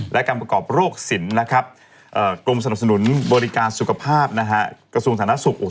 และการประกอบโรคศิลป์กรมสนับสนุนบริการสุขภาพกระทรวงศาลนักศึกษ์